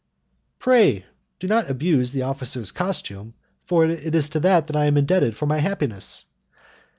"Pray do not abuse the officer's costume, for it is to it that I am indebted for my happiness."